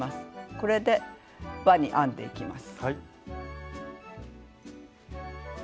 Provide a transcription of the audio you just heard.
これで輪に編んでいきます。